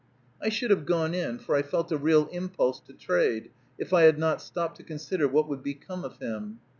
I should have gone in, for I felt a real impulse to trade, if I had not stopped to consider what would become of him.